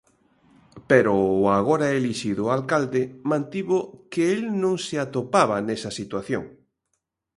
Pero o agora elixido alcalde, mantivo que el non se atopaba nesa situación.